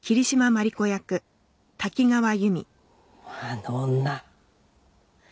あの女